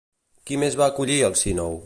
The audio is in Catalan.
Qui més va acollir Alcínou?